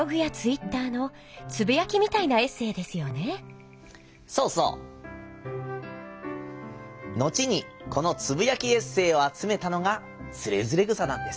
後にこのつぶやきエッセーをあつめたのが「徒然草」なんです。